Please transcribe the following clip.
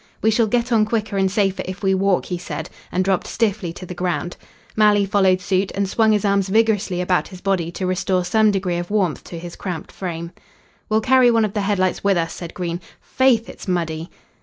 "We shall get on quicker and safer if we walk," he said, and dropped stiffly to the ground. Malley followed suit, and swung his arms vigorously about his body to restore some degree of warmth to his cramped frame. "We'll carry one of the headlights with us," said Green. "Faith, it's muddy."